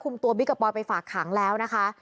ตัวบิ๊กกับปอยไปฝากขังแล้วนะคะ